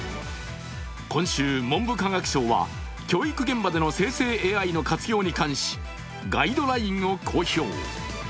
今週、文部科学省は教育現場での生成ＡＩの活用に関しガイドラインを公表。